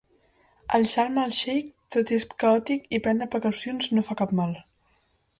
A Sharm al-Sheikh tot és caòtic, i prendre precaucions no fa cap mal.